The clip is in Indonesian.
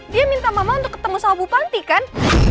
dia minta mama untuk ketemu sama bu panti kan